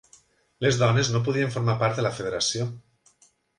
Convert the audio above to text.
Les dones no podien formar part de la Federació.